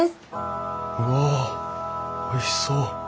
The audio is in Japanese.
うわおいしそう。